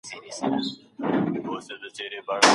موږ تر دښمنانو ډېر له ډاره ماڼۍ ړنګوو.